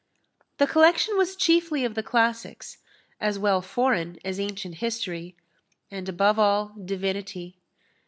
The collection was chiefly of the classics, as well foreign as ancient history, and, above all, divinity.